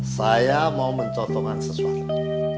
saya mau mencontohkan sesuatu